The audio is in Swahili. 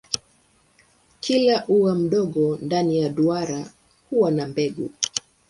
Kila ua mdogo ndani ya duara huwa na mbegu.